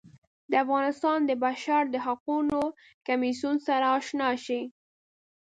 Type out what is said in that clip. د افغانستان د بشر د حقونو کمیسیون سره اشنا شي.